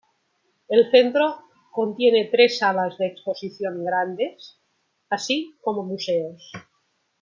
El centro contiene tres salas de exposición grandes así como museos.